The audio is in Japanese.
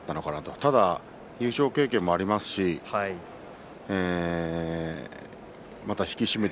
ただ優勝経験もありますしまた引き締めて。